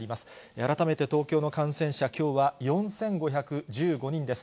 改めて東京の感染者、きょうは４５１５人です。